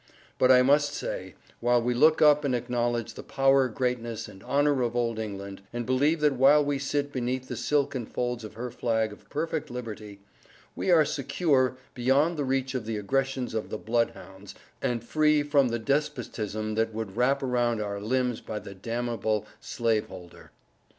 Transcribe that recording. But I must say, while we look up and acknowledge the Power greatness and honor of old England, and believe that while we sit beneath the Silken folds of her flag of Perfect Liberty, we are secure, beyond the reach of the aggressions of the Blood hounds and free from the despotism that would wrap around our limbs by the damable Slaveholder.